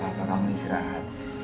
udah gak apa apa kamu istirahat